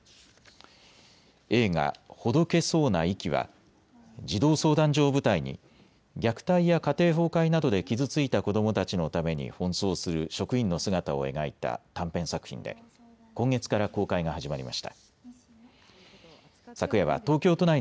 映画、ほどけそうな、息は児童相談所を舞台に虐待や家庭崩壊などで傷ついた子どもたちのために奔走する職員の姿を描いた短編作品で今月から公開が始まりました。